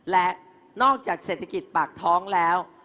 และนอกจากเศรษฐกิจปากท้องแล้ว